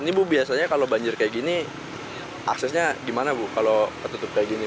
ini bu biasanya kalau banjir kayak gini aksesnya gimana bu kalau ketutup kayak gini